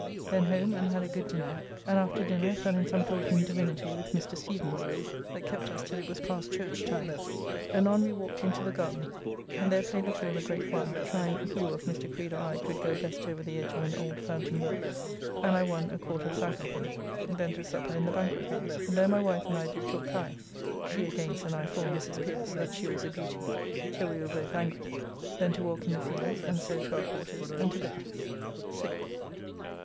Then home, and had a good dinner, and after dinner fell in some talk in Divinity with Mr. Stevens that kept us till it was past Church time. Anon we walked into the garden, and there played the fool a great while, trying who of Mr. Creed or I could go best over the edge of an old fountain well, and I won a quart of sack of him. Then to supper in the banquet house, and there my wife and I did talk high, she against and I for Mrs. Pierce (that she was a beauty), till we were both angry. Then to walk in the fields, and so to our quarters, and to bed. 6th.